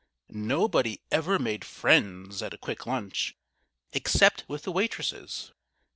Nobody ever made friends at a Quick Lunch, except with the waitresses.